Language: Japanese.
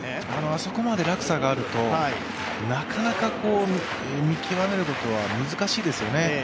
あそこまで落差があると、なかなか見極めることは難しいですよね。